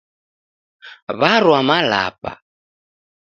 Warwa Malapa.